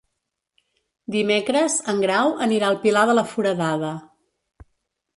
Dimecres en Grau anirà al Pilar de la Foradada.